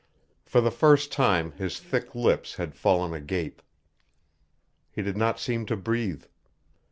For the first time his thick lips had fallen agape. He did not seem to breathe.